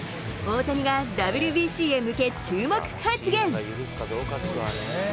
大谷がＷＢＣへ向け注目発言。